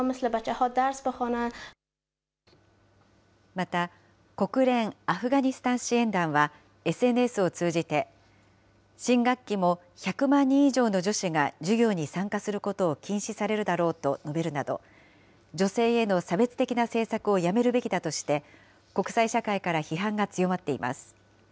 また、国連アフガニスタン支援団はＳＮＳを通じて、新学期も１００万人以上の女子が授業に参加することを禁止されるだろうと述べるなど、女性への差別的な政策をやめるべきだとして、国際社会から批判が強まっています。